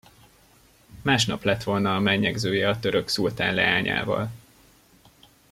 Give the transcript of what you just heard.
Másnap lett volna a menyegzője a török szultán leányával.